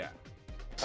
sampai saat ini